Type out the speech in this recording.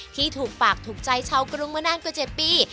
ที่ถูกปากถูกใจชาวกรุงมานานกว่า๗ปี